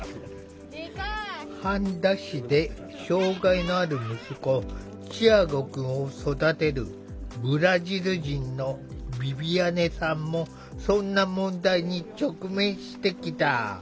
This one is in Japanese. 半田市で障害のある息子チアゴくんを育てるブラジル人のヴィヴィアネさんもそんな問題に直面してきた。